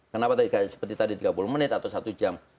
kenapa seperti tadi tiga puluh menit atau satu jam